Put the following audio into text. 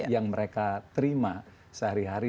yang mereka terima sehari hari